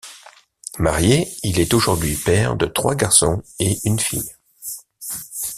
Marié, il est aujourd'hui père de trois garçons et une fille.